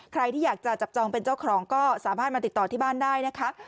ใครที่อยากจะจับจองเป็นเจ้าของก็สามารถมาติดต่อที่บ้านได้นะคะ